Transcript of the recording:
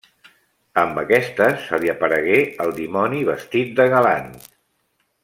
Amb aquestes, se li aparegué el dimoni vestit de galant.